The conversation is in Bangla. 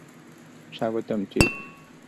স্বাগতম, চিফ!